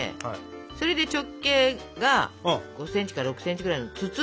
それで直径が５ｃｍか６ｃｍぐらいの筒状。